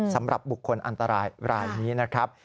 สำหรับบุคคลอันตรายรายนี้นะครับ